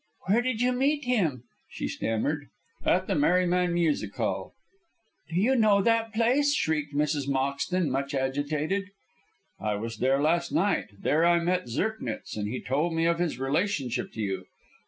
"Where did you meet him?" she stammered. "At the Merryman Music Hall." "Do you know that place?" shrieked Mrs. Moxton, much agitated. "I was there last night. There I met Zirknitz, and he told me of his relationship to you.